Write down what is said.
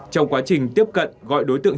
trong quá trình tiếp cận gọi đối tượng